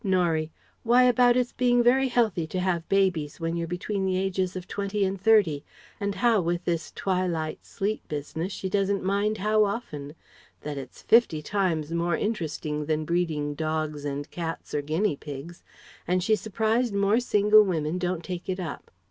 Norie: "Why, about its being very healthy to have babies when you're between the ages of twenty and thirty; and how with this twilight sleep business she doesn't mind how often; that it's fifty times more interesting than breeding dogs and cats or guinea pigs; and she's surprised more single women don't take it up.